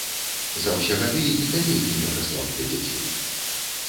За ўсе гады ні капейкі не прыслаў для дзяцей.